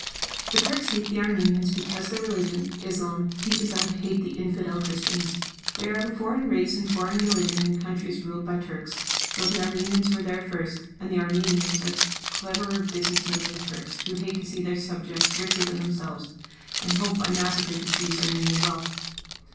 The Turks hate the Armenians because their religion, Islam, teaches them to hate the "infidel" Christians; they are of a foreign race and foreign religion in countries ruled by Turks, though the Armenians were there first, and the Armenians are cleverer business men than the Turks, who hate to see their subjects richer than themselves, and hope by massacre to seize Armenian wealth.